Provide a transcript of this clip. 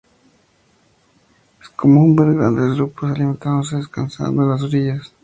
Es común ver grandes grupos alimentándose o descansando en las orillas.